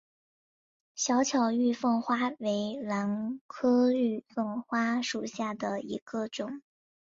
小巧玉凤花为兰科玉凤花属下的一个种。